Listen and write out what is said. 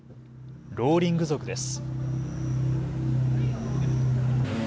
ローリング族です。